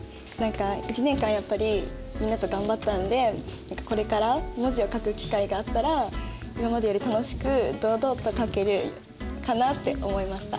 １年間やっぱりみんなと頑張ったんでこれから文字を書く機会があったら今までより楽しく堂々と書けるかなって思いました。